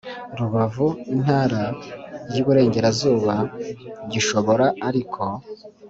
Rubavu intara y iburengerazuba gishobora ariko